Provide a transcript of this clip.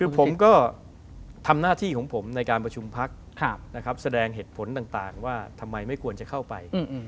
ผมก็ทำหน้าที่ในประชุมพลักษณ์แสดงเหตุผลต่างว่าทำไมไม่ควรเข้าไป